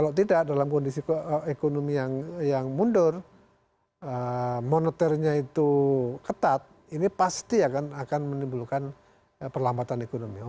kalau tidak dalam kondisi ekonomi yang mundur moneternya itu ketat ini pasti akan menimbulkan perlambatan ekonomi